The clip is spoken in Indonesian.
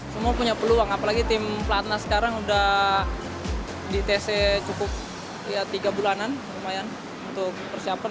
semua punya peluang apalagi tim pelatna sekarang udah di tc cukup ya tiga bulanan lumayan untuk persiapan